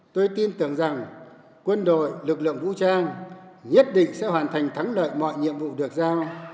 tôi tin tưởng rằng quân đội lực lượng vũ trang nhất định sẽ hoàn thành thắng lợi mọi nhiệm vụ được giao